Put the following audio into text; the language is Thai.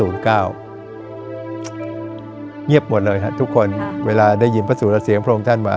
เงียบหมดเลยครับทุกคนเวลาได้ยินพระสุรเสียงพระองค์ท่านมา